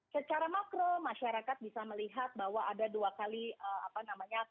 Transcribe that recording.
secara makro masyarakat bisa melihat bahwa ada dua kali apa namanya